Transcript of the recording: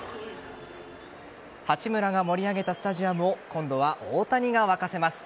八村が盛り上げたスタジアムを今度は大谷が沸かせます。